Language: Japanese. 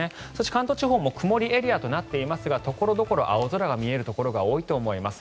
関東地方も曇りエリアとなっていますが所々、青空が見えるところが多いと思います。